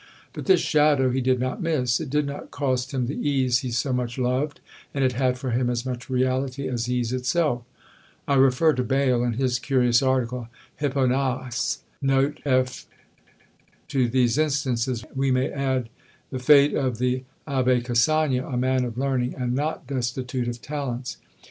But this shadow he did not miss: it did not cost him the ease he so much loved, and it had for him as much reality as ease itself. I refer to Bayle, in his curious article, "Hipponax," note F. To these instances we may add the fate of the Abbé Cassagne, a man of learning, and not destitute of talents.